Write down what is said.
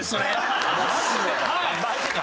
マジか！